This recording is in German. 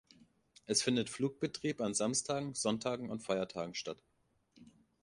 Es findet Flugbetrieb an Samstagen, Sonntagen und Feiertagen statt.